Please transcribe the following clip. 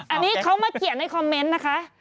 อันนี้เขามาเขียนในคอมเมนต์นะคะ